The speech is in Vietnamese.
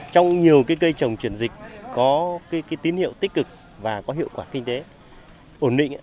trong nhiều cây trồng chuyển dịch có tín hiệu tích cực và có hiệu quả kinh tế ổn định